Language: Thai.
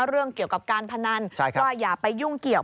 เรื่องเกี่ยวกับการพนันว่าอย่าไปยุ่งเกี่ยว